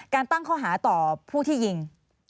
ตั้งข้อหาต่อผู้ที่ยิง